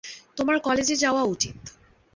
তোমার কলেজে যাওয়া উচিত।